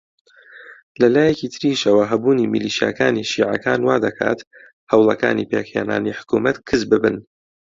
لە لایەکی تریشەوە هەبوونی میلیشیاکانی شیعەکان وا دەکات هەوڵەکانی پێکهێنانی حکوومەت کز ببن